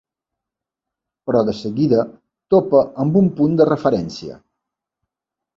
Però de seguida topa amb un punt de referència.